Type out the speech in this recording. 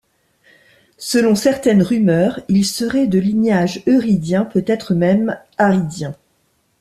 Selon certaines rumeurs, il serait de lignage œridien, peut-être même ærdien.